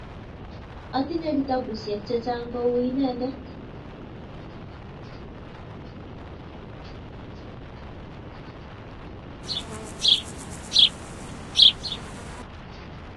Atinye kitapusyek chechang' kou inendet.